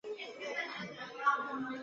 北斗神拳的剧情约略可分为以下部分。